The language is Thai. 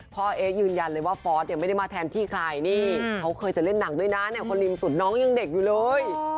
พ่อเอ๊กซ์ยืนยันเลยว่าฟอสศิษย์ไม่ได้มาที่ใครนี่เค้าเคยจะเล่นหนังด้วยนะคนริมสุดหนองยังเด็กอยู่เลย